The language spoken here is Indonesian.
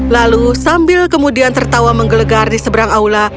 lalu sambil kemudian tertawa menggelegar di seberang aula